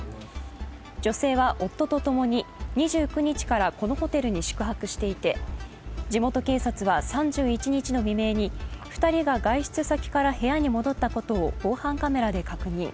女性は夫とともに２９日からこのホテルに宿泊していて地元警察は３１日の未明に２人が外出先から部屋に戻ったことを防犯カメラで確認。